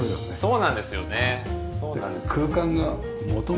そうなんですよね。